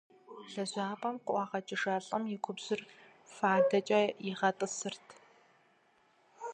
Лэжьапӏэм къыӏуагъэкӏыжа лӀым и губжьыр фадэкӀэ игъэтӀысырт.